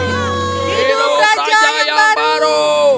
hidup raja yang baru